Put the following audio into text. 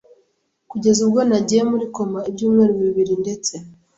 kugeza ubwo nagiye muri koma ibyumweru bibiri ndetse